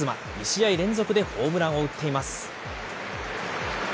２試合連続でホームランを打っています。